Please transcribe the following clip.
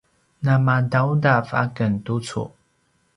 namadaudav aken tucu